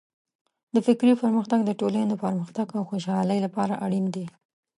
د فکري پرمختګ د ټولنې د پرمختګ او خوشحالۍ لپاره اړین دی.